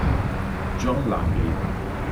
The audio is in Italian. John Langley